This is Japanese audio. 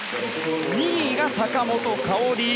２位が坂本花織。